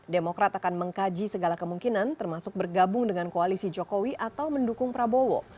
demokrat akan mengkaji segala kemungkinan termasuk bergabung dengan koalisi jokowi atau mendukung prabowo